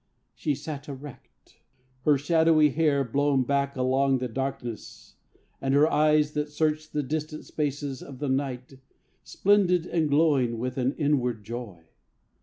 She sat erect, her shadowy hair Blown back along the darkness and her eyes That searched the distant spaces of the night Splendid and glowing with an inward joy.